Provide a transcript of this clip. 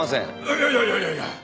いやいやいやいや。